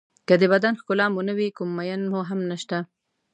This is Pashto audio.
که د بدن ښکلا مو نه وي کوم مېن مو هم نشته.